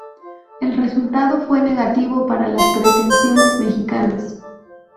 El resultado fue negativo para las pretensiones mexicanas.